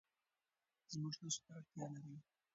زموږ هڅو ته اړتیا لري.